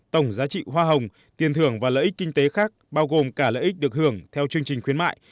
tổng giá trị hoa hồng tiền thưởng và lợi ích kinh tế khác bao gồm cả lợi ích được hưởng theo chương trình khuyến mại